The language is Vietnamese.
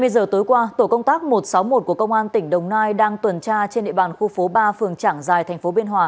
hai mươi giờ tối qua tổ công tác một trăm sáu mươi một của công an tỉnh đồng nai đang tuần tra trên địa bàn khu phố ba phường trảng giài tp biên hòa